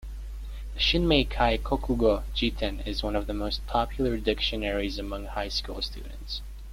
The "Shinmeikai kokugo jiten" is one of the most popular dictionaries among high-school students.